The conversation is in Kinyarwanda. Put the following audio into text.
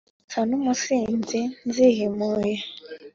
nsa n’umusinzi zihimuye